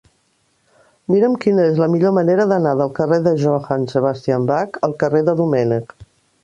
Mira'm quina és la millor manera d'anar del carrer de Johann Sebastian Bach al carrer de Domènech.